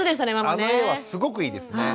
あの絵はすごくいいですね。